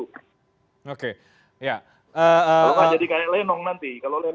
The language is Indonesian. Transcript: kalau tidak jadi seperti lenong nanti